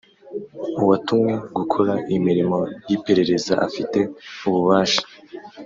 Uwatumwe gukora imirimo y’ iperereza afite ububasha